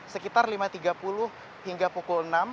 sekitar lima tiga puluh hingga pukul enam